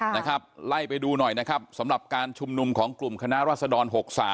นะครับไล่ไปดูหน่อยนะครับสำหรับการชุมนุมของกลุ่มคณะรัศดร๖๓